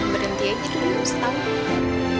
berhenti aja itu harus tahu